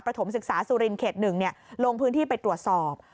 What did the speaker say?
ถมศึกษาสุรินเขต๑ลงพื้นที่ไปตรวจสอบ